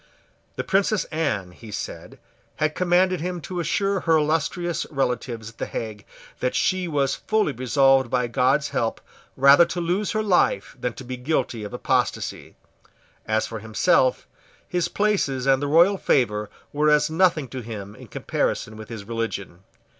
The Princess Anne, he said, had commanded him to assure her illustrious relatives at the Hague that she was fully resolved by God's help rather to lose her life than to be guilty of apostasy. As for himself, his places and the royal favour were as nothing to him in comparison with his religion.